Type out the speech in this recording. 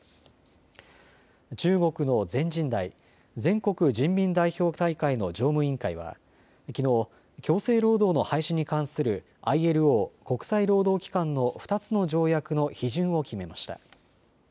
中国の全人代・全国人民代表大会の常務委員会はきのう強制労働の廃止に関するＩＬＯ・国際労働機関の２つの条約の批准を決めました。